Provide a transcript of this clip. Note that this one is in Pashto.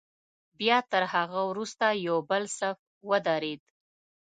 بیا تر هغه وروسته یو بل صف ودرېد.